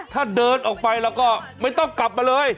ถ้าเดินออกไปแล้วก็ไม่ต้องกลับมาเลย